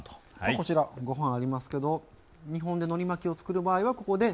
こちらご飯ありますけど日本でのり巻きをつくる場合はここで。